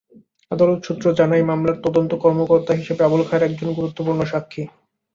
আদালত সূত্র জানায়, মামলার তদন্ত কর্মকর্তা হিসেবে আবুল খায়ের একজন গুরুত্বপূর্ণ সাক্ষী।